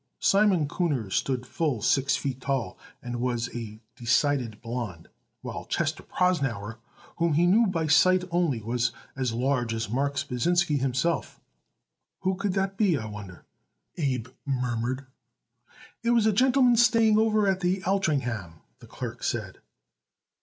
Simon Kuhner stood full six feet tall and was a decided blond, while Chester Prosnauer, whom he knew by sight only, was as large as Marks Pasinsky himself. "Who could that be, I wonder?" Abe murmured. "It was a gentleman staying over at the Altringham," the clerk said.